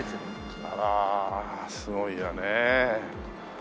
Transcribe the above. あらすごいよね。